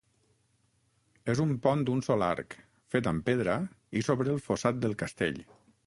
És un pont d'un sol arc, fet amb pedra i sobre el fossat del castell.